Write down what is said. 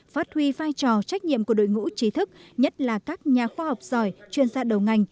phát huy vai trò trách nhiệm của đội ngũ trí thức nhất là các nhà khoa học giỏi chuyên gia đầu ngành